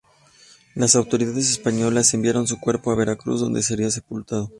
Las autoridades españolas enviaron su cuerpo a Veracruz, donde sería sepultado.